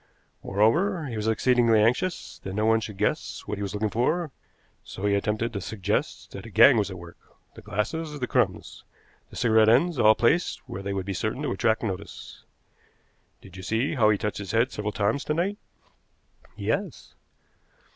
Moreover, he was exceedingly anxious that no one should guess what he was looking for, so he attempted to suggest that a gang was at work the glasses, the crumbs, the cigarette ends, all placed where they would be certain to attract notice. Did you see how he touched his head several times to night?" "Yes."